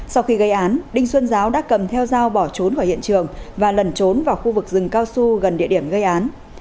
sau khi gây án đinh xuân giáo đã cầm theo dao bỏ trốn khỏi hiện trường và lần trốn vào khu vực rừng cao su gần địa điểm gây án